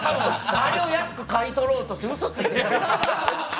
あれを安く買い取ろうとしてうそついてます。